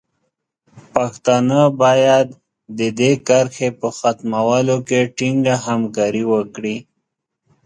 پښتانه باید د دې کرښې په ختمولو کې ټینګه همکاري وکړي.